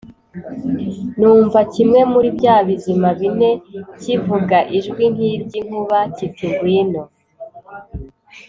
numva kimwe muri bya bizima bine kivuga ijwi nk’iry’inkuba kiti “Ngwino.